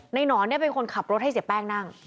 หนอนเป็นคนขับรถให้เสียแป้งนั่ง